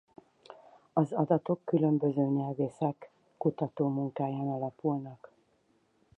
Az adatok különböző nyelvészek kutatómunkáján alapulnak.